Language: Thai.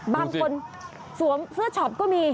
บางคนสวมเสื้อช็อปก็มี